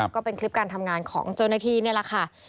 ก็เป็นคลิปการทำงานของเจ้าหน้าที่นี่แหละค่ะ